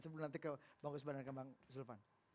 sebelum nanti ke bang gus banan ke bang sulevan